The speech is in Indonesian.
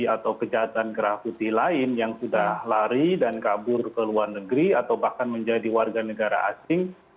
atau kejahatan gerah putih lain yang sudah lari dan kabur ke luar negeri atau bahkan menjadi warga negara asing